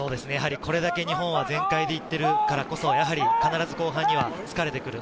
これだけ日本は全開で行っているので、必ず後半、疲れてくる。